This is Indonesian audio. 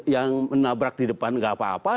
yang menabrak di depan nggak apa apa